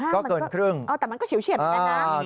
ก็เกินครึ่งแต่มันก็ฉิวเฉียดเหมือนกันนะ